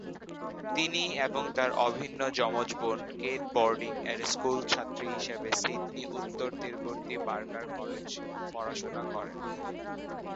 তিনি এবং তার অভিন্ন যমজ বোন কেট বোর্ডিং এর স্কুলের ছাত্রী হিসাবে সিডনি উত্তর তীরবর্তী বার্কার কলেজ পড়াশোনা করেন।